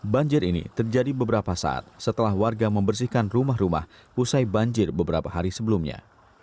banjir ini terjadi beberapa saat setelah warga membersihkan rumah rumah usai banjir beberapa hari sebelumnya